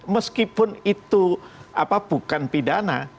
meskipun itu bukan pidana